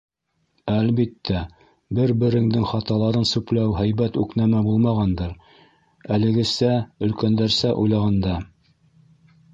Әлбиттә, бер-береңдең хаталарын сүпләү һәйбәт үк нәмә булмағандыр - әлегесә, өлкәндәрсә уйлағанда.